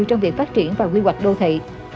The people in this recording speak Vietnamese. trong việc phát triển và quy hoạch đô thị